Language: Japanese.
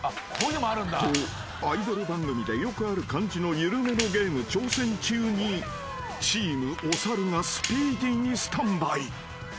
［とアイドル番組でよくある感じの緩めのゲーム挑戦中にチームお猿がスピーディーにスタンバイ］